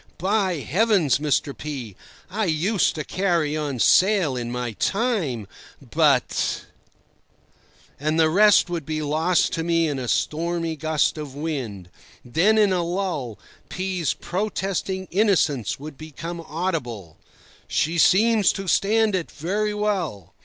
"By Heavens, Mr. P ! I used to carry on sail in my time, but—" And the rest would be lost to me in a stormy gust of wind. Then, in a lull, P—'s protesting innocence would become audible: "She seems to stand it very well."